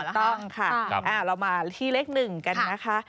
ต้องค่ะเรามาที่เลข๑กันนะคะ